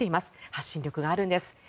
発信力があるんです。